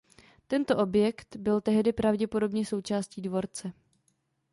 Tento objekt byl tehdy pravděpodobně součástí dvorce.